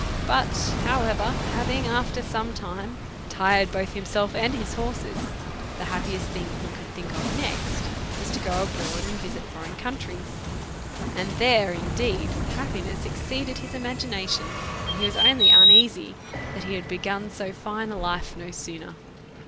But, however, having after some time tired both himself and his horses, the happiest thing he could tliink of next was to go abroad and visit foreign countries ; and there, indeed, happiness exceeded his imagination, and he was only uneasy that he had begun so fine a life no sooner.